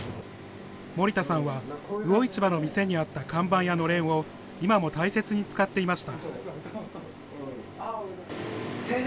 森田さんは、魚市場の店にあった看板やのれんを、今も大切に使っていました。